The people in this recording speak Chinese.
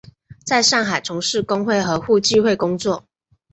在上海从事工会和互济会工作。